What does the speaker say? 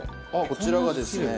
こちらがですね